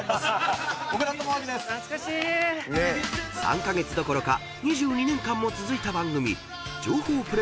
［３カ月どころか２２年間も続いた番組］